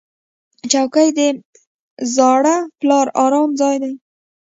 چوکۍ د زاړه پلار ارام ځای دی.